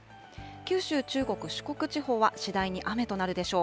九州、中国、四国地方は次第に雨となるでしょう。